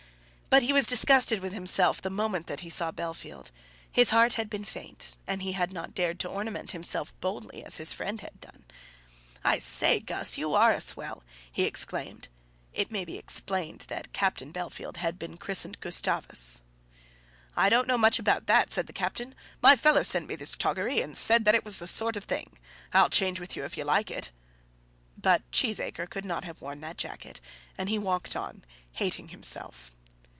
But he was disgusted with himself the moment that he saw Bellfield. His heart had been faint, and he had not dared to ornament himself boldly as his friend had done. "I say, Guss, you are a swell," he exclaimed. It may be explained that Captain Bellfield had been christened Gustavus. "I don't know much about that," said the captain; "my fellow sent me this toggery, and said that it was the sort of thing. I'll change with you if you like it." But Cheesacre could not have worn that jacket, and he walked on, hating himself.